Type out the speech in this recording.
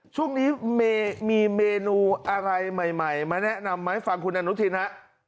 ช่วงนี้มีเมนูอะไรใหม่มาแนะนำไหมฟังคุณอนุทินฮะ